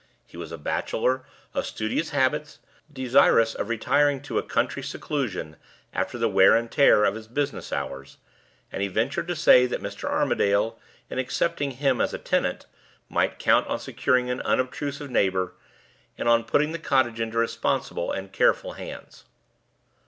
He was a bachelor, of studious habits, desirous of retiring to a country seclusion after the wear and tear of his business hours; and he ventured to say that Mr. Armadale, in accepting him as a tenant, might count on securing an unobtrusive neighbor, and on putting the cottage into responsible and careful hands.